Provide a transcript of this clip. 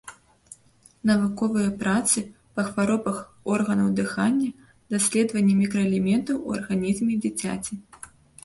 Навуковыя працы па хваробах органаў дыхання, даследванні мікраэлементаў у арганізме дзіцяці.